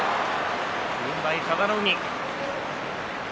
軍配、佐田の海。